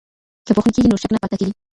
که پوښتني کېږي نو شک نه پاته کېږي.